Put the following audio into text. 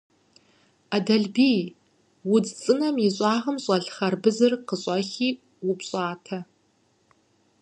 Ӏэдэлбий, удз цӀынэм и щӀагъым щӀэлъ хъарбызыр къыщӀэхи упщӀатэ.